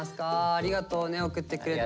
ありがとうね送ってくれて。